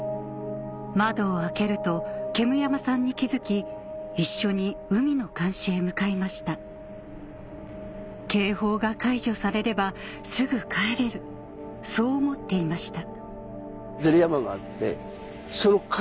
窓を開けると煙山さんに気付き一緒に海の監視へ向かいました警報が解除されればすぐ帰れるそう思っていました